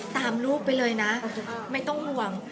ตามลูกไปเลยนะไม่ต้องห่วง